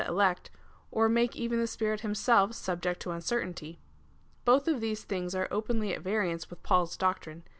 113 elect, or make even the Sjjirit himself subject to uncer tainty. Both of these things are oi)enly at variance with Paul's doctrine.